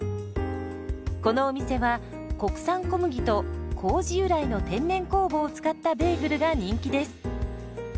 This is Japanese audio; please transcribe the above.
このお店は国産小麦と麹由来の天然酵母を使ったベーグルが人気です。